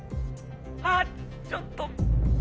あちょっと。